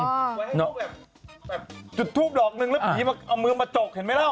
อย่างจุดทูปดอกนึงแล้วผีเอามือมาจกเห็นไหมแล้ว